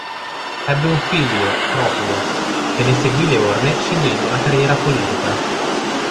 Ebbe un figlio, Proculo, che ne seguì le orme scegliendo la carriera politica.